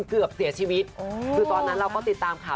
เกือบเสียชีวิตคือตอนนั้นเราก็ติดตามข่าว